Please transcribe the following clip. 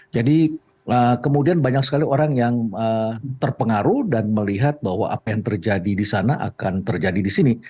jadi kemudian banyak sekali orang yang terpengaruh dan melihat bahwa apa yang terjadi di sana akan terjadi di sini